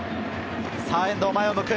遠藤、前を向く。